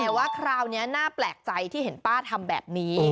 แต่ว่าคราวนี้น่าแปลกใจที่เห็นป้าทำแบบนี้